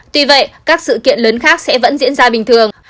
tuy vậy các sự kiện lớn khác sẽ vẫn diễn ra bình thường